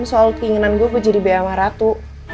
soal keinginan gue ke jadi bma ratu